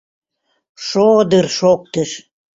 Шо-одырр шоктыш.